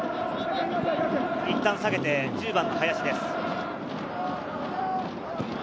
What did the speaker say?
いったん下げて１０番・林です。